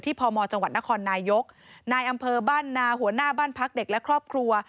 ที่พมจนนายกนอบนหัวหน้าบ้านพักเด็กและครอบครัว